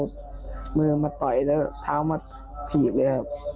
รีบวิ่งมาใส่ผมเลยครับรีบวิ่งทั้งเอามือมาต่อยแล้วเท้ามาถีบเลยครับ